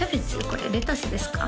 これレタスですか？